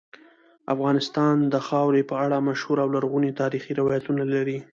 افغانستان د خاورې په اړه مشهور او لرغوني تاریخی روایتونه لري.